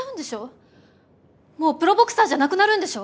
もうプロボクサーじゃなくなるんでしょ